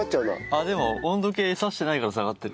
あっでも温度計挿してないから下がってる。